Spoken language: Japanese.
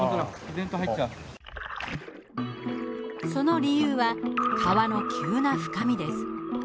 その理由は、川の急な深みです。